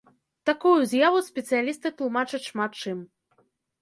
Такую з'яву спецыялісты тлумачаць шмат чым.